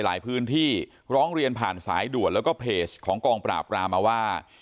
หลายพื้นที่ร้องเรียนผ่านสายด่วนแล้วก็เพจของกองปราบรามมาว่า